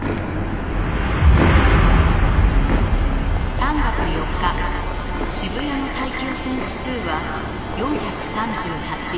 「３月４日渋谷の大気汚染指数は４３８。